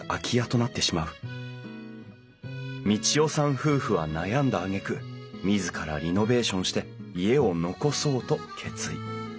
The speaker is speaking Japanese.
夫婦は悩んだあげく自らリノベーションして家を残そうと決意。